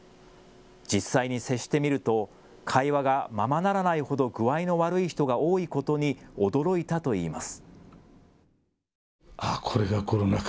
実際に接してみると会話がままならないほど具合の悪い人が多いことに驚いたといいます。